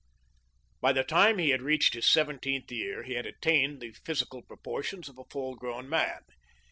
By the time he had reached his seventeenth year he had attained the physical proportions of a full grown man.